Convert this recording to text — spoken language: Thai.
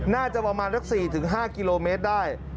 น่าจะประมาณสัก๔๕กิโลเมตรได้